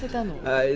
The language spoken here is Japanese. はい。